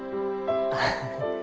アハハ。